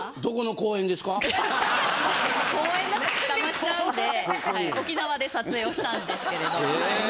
公園だと捕まっちゃうんで沖縄で撮影をしたんですけれど。